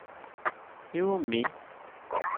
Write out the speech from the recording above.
Iwumi?